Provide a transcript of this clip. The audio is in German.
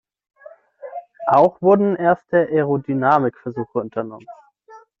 Auch wurden erste Aerodynamik-Versuche unternommen.